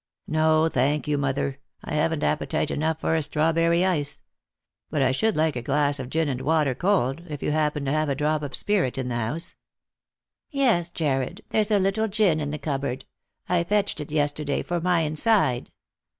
" No, thank you, mother. I haven't appetite enough for a strawberry ice. But I should like a glass of gin and water cold, if you happen to have a drop of spirit in the house." " Yes, Jarred ; there's a little gin in the cupboard ; I fetched it yesterday for my inside."